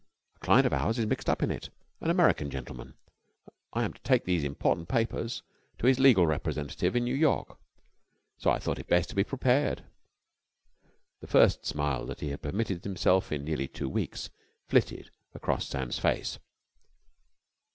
A client of ours is mixed up in it, an American gentleman. I am to take these important papers to his legal representative in New York. So I thought it best to be prepared." The first smile that he had permitted himself in nearly two weeks flitted across Sam's face.